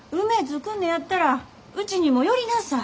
来んねやったらうちにも寄りなさい。